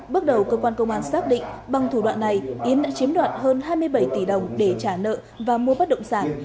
bước đầu cơ quan công an xác định bằng thủ đoạn này yến đã chiếm đoạt hơn hai mươi bảy tỷ đồng để trả nợ và mua bất động sản